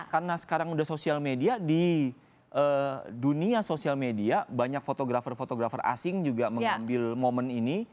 karena sekarang udah sosial media di dunia sosial media banyak fotografer fotografer asing juga mengambil moment ini